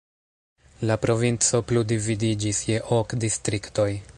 La provinco plu dividiĝis je ok distriktoj.